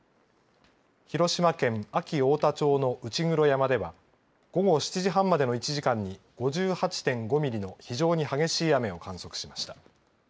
広島県安芸太田町の内黒山では午後７時半までの１時間に５８．５ミリの非常に激しい雨を観測しました。